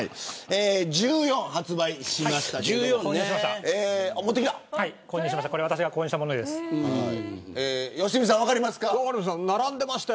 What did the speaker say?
１４発売しました。